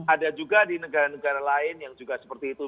ada juga di negara negara lain yang juga seperti itu